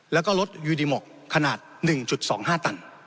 แล้วก็รถยูดีมกขนาด๑๒๕ตัน